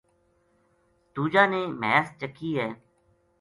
دوجا نے مھیس چَکی ہے